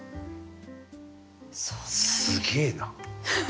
すげえな。